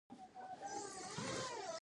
فلالوژي د یوناني ژبي کليمه ده.